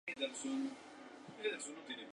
Al poco impartió clases en la Universidad de Sussex.